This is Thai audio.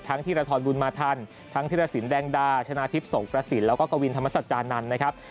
ธีรทรบุญมาทันทั้งธิรสินแดงดาชนะทิพย์สงกระสินแล้วก็กวินธรรมสัจจานันทร์นะครับ